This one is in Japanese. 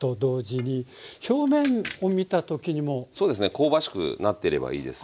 香ばしくなってればいいです。